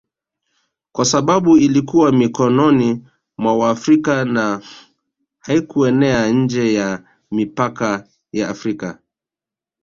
kwa sababu ilikuwa mikononi mwa Waafrika na haikuenea nje ya mipaka ya Afrika